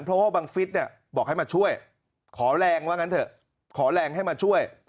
เพราะว่าบังฟิศเนี่ยบอกให้มาช่วยขอแรงว่างั้นเถอะขอแรงให้มาช่วย